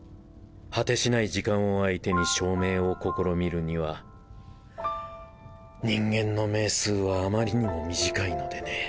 果てしない時間を相手に証明を試みるには人間の命数はあまりにも短いのでね。